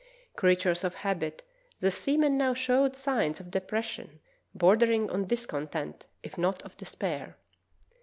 Creatures of habit, the sea men now showed signs of depression bordering on dis content if not of despair.